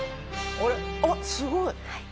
あっすごい！